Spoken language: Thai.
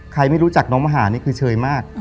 ไม่รู้จักน้องมหานี่คือเชยมาก